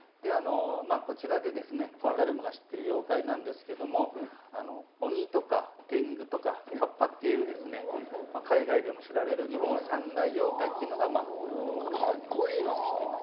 こちらでですね、誰もが知っている妖怪なんですけども、鬼とか天狗とか河童という、海外でも知られる、日本三大妖怪というのがこちらに展示しています。